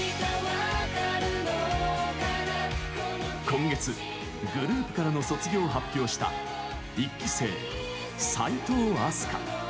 今月、グループからの卒業を発表した、１期生・齋藤飛鳥。